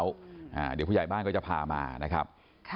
เดี๋ยวผู้ใหญ่บ้านก็จะพามานะครับค่ะ